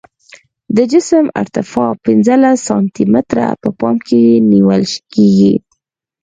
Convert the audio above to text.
د جسم ارتفاع پنځلس سانتي متره په پام کې نیول کیږي